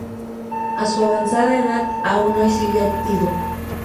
A su avanzada edad aún hoy sigue activo.